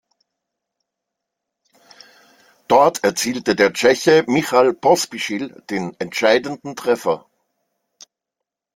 Dort erzielte der Tscheche Michal Pospíšil den entscheidenden Treffer.